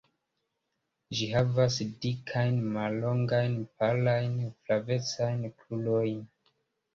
Ĝi havas dikajn, mallongajn, palajn, flavecajn krurojn.